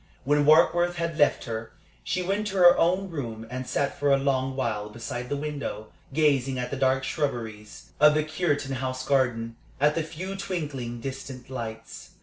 When Warkworth had left her, she went to her own room and sat for a long while beside the window, gazing at the dark shrubberies of the Cureton House garden, at the few twinkling, distant lights.